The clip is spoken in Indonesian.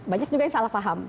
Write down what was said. banyak juga yang salah paham